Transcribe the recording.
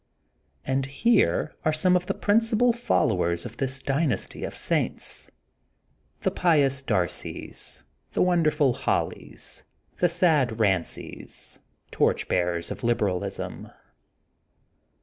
And here are some of the principal followers of this dynasty of saints: — ^the pious Darsies, the wholesome Hollys, the sad Bancies, torch bearers of lib eralism.